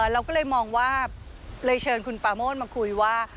เราก็เลยมองว่าเลยเชิญคุณปาโมดมาคุยว่า